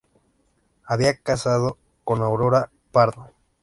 Había casado con Aurora Pardo.